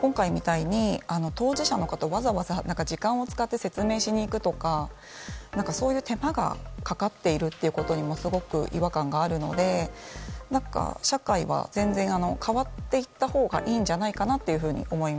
今回みたいに当事者の方がわざわざ時間を使って説明しに行くとかそういう手間がかかっているということにもすごく違和感があるので社会は全然変わっていったほうがいいんじゃないかなというふうに思います。